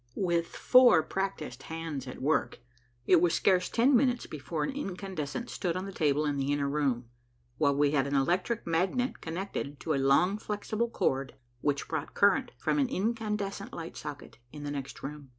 With four practised hands at work, it was scarce ten minutes before an incandescent stood on the table in the inner room, while we had an electric magnet connected to a long flexible cord which brought current from an incandescent light socket in the next room.